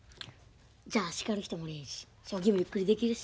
じゃあ叱る人もいないし将棋もゆっくりできるし。